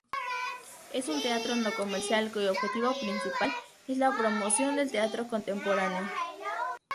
Es un teatro no comercial, cuyo objetivo principal es la promoción del teatro contemporáneo.